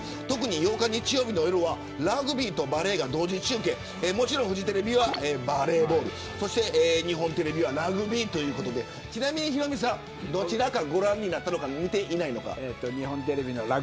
８日、日曜日の夜はラグビーとバレーが同時中継でフジテレビはバレーボール日本テレビはラグビーということでちなみに、ヒロミさんどちらかご覧になったのか見ていないのか。